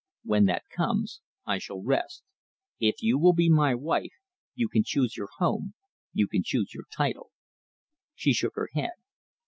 When that comes, I shall rest. If you will be my wife, you can choose your home, you can choose your title." She shook her head.